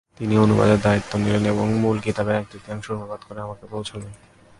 তিনি অনুবাদের দায়িত্ব নিলেন এবং মূল কিতাবের এক তৃতীয়াংশের অনুবাদ করে আমাকে পৌঁছালেন।